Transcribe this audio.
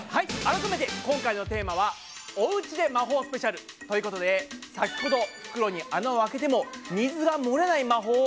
改めて今回のテーマは「おうちで魔法スペシャル」ということで先ほど袋に穴を開けても水がもれない魔法をお見せしました。